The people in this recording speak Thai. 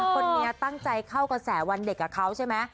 คนนี้ตั้งใจเข้ากระแสวันเด็กกับเขาใช่ไหม